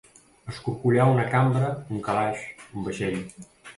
Escorcollar una cambra, un calaix, un vaixell.